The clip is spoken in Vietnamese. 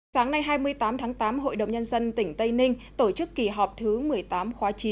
sáng nay hai mươi tám tháng tám hội đồng nhân dân tỉnh tây ninh tổ chức kỳ họp thứ một mươi tám khóa chín